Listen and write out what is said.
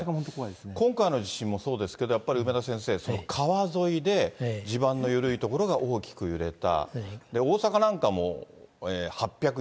今回の地震もそうですけど、やっぱり梅田先生、川沿いで地盤の緩い所が大きく揺れた。